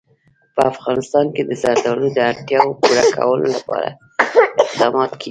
په افغانستان کې د زردالو د اړتیاوو پوره کولو لپاره اقدامات کېږي.